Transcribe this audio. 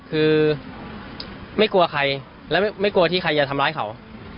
คือไม่กลัวใครและไม่กลัวที่ใครจะทำร้ายเขา